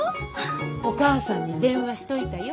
お母さんに電話しといたよ。